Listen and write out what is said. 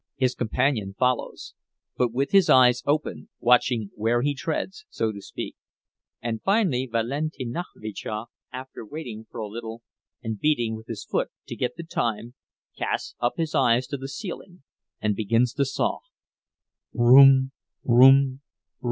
His companion follows, but with his eyes open, watching where he treads, so to speak; and finally Valentinavyczia, after waiting for a little and beating with his foot to get the time, casts up his eyes to the ceiling and begins to saw—"Broom! broom!